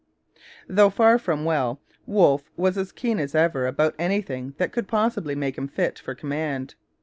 Though far from well, Wolfe was as keen as ever about anything that could possibly make him fit for command.